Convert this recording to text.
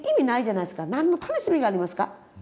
何の楽しみがありますか。